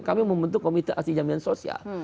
kami membentuk komite asli jaminan sosial